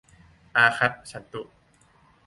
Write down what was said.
อาคัจฉันตุ